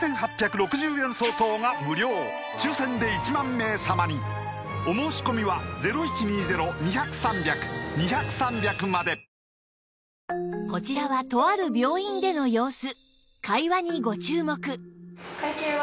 ４８６０円相当が無料抽選で１万名様にお申し込みはこちらはとある病院での様子